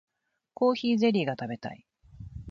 コーヒーゼリーが食べたい